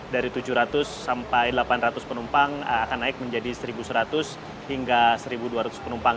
dari tujuh ratus sampai delapan ratus penumpang akan naik menjadi satu seratus hingga satu dua ratus penumpang